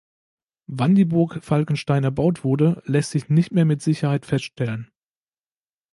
Wann die Burg Falkenstein erbaut wurde, lässt sich nicht mehr mit Sicherheit feststellen.